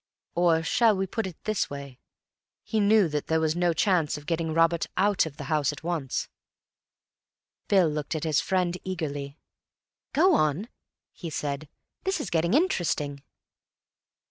Or shall we put it this way—he knew that there was no chance of getting Robert out of the house at once." Bill looked at his friend eagerly. "Go on," he said. "This is getting interesting."